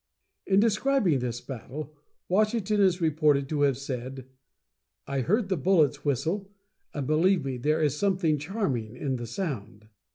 In describing this battle, Washington is reported to have said: "I heard the bullets whistle, and believe me, there is something charming in the sound."